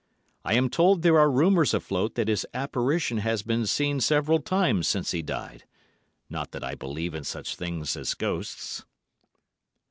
I am told there are rumours afloat that his apparition has been seen several times since he died; not that I believe in such things as ghosts.